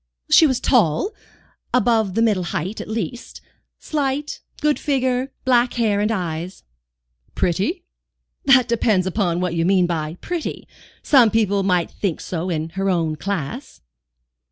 "She was tall, above the middle height, at least; slight, good figure, black hair and eyes." "Pretty?" "That depends upon what you mean by 'pretty.' Some people might think so, in her own class."